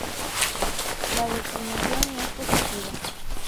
La declinación es positiva.